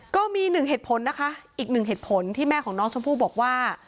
ก็มีหนึ่งเหตุผลนะคะอีกหนึ่งเหตุผลที่แม่ของน้องชมพู่บอกว่า